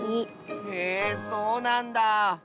へえそうなんだ。